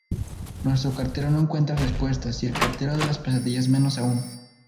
Nuestro cartero no encuentra respuestas, y el Cartero de las Pesadillas menos aún.